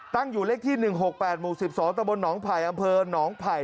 ตั้งอยู่เลขที่๑๖๘หมู่๑๒ตะบนหนองไผ่อำเภอหนองไผ่